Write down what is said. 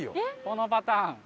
このパターン。